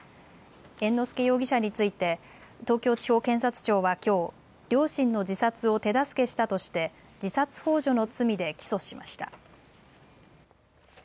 猿之助容疑者について東京地方検察庁はきょう両親の自殺を手助けしたとして自殺ほう助の罪で起訴しました。